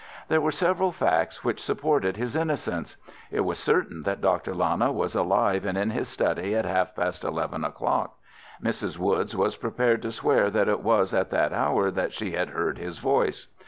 There were several facts which supported his innocence. It was certain that Dr. Lana was alive and in his study at half past eleven o'clock. Mrs. Woods was prepared to swear that it was at that hour that she had heard his voice.